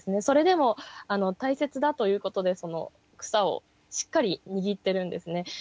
それでも大切だということでその草をしっかり握ってるんですね。